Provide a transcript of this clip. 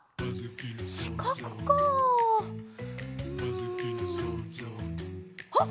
しかくかうんあっ！